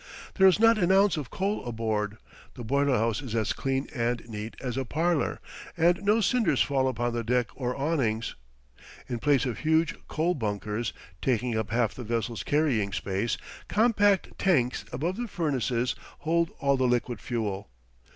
There is not an ounce of coal aboard, the boiler house is as clean and neat as a parlor, and no cinders fall upon the deck or awnings. In place of huge coal bunkers, taking up half the vessel's carrying space, compact tanks above the furnaces hold all the liquid fuel.